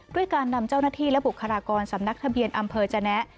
ด้วยการนำเจ้าหน้าที่และบุคลากรสำนักทะเบียนอำเภอจนะ